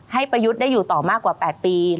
ประยุทธ์ได้อยู่ต่อมากกว่า๘ปี